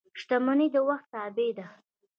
• شتمني د وخت تابع ده.